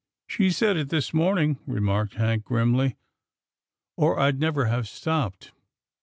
" She said it this morning," remarked Hank grimly, " or I'd never have stopped.